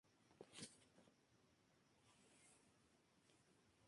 La mayoría de los gangrel son solitarios, burlando, o simplemente ignorando las normas sociales.